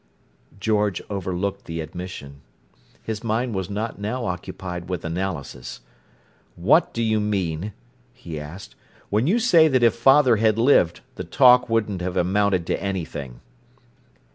George overlooked the admission; his mind was not now occupied with analysis. "What do you mean," he asked, "when you say that if father had lived, the talk wouldn't have amounted to anything?"